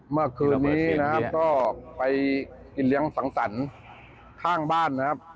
เมื่อคืนนี้นะครับก็ไปกินเลี้ยงสังสรรค์ข้างบ้านนะครับ